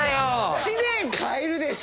知念変えるでしょ！